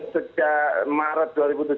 sejak maret dua ribu tujuh belas